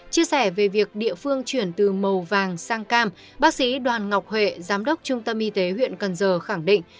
chia sẻ về việc địa phương chuyển từ màu vàng sang cam bác sĩ đoàn ngọc huệ giám đốc trung tâm y tế huyện cần giờ khẳng định